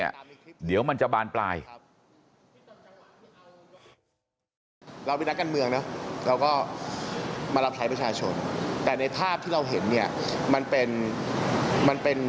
เพราะว่าในร้านเนี่ยผู้สูงอายุเยอะเหลือเกิน